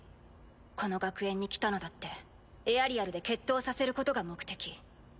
この学園に来たのだってエアリアルで決闘させることが目的。